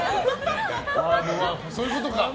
そういうことか。